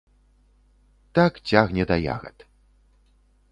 Так цягне да ягад.